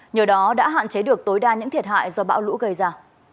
nhờ đó đã hạn chế được tối đa những thiệt hại do bão lũ gây ra